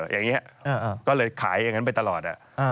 อย่างนี้ก็เลยขายอย่างนั้นไปตลอด